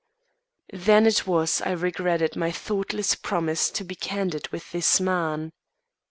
Then it was I regretted my thoughtless promise to be candid with this man.